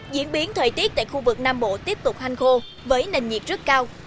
diễn biến thời tiết tại khu vực nam bộ tiếp tục hanh khô với nền nhiệt rất cao